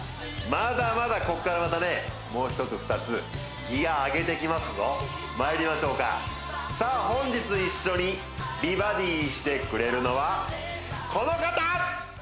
まだまだこっからまたねもう一つ二つギア上げていきますぞまいりましょうかさあ本日一緒に美バディしてくれるのはこの方！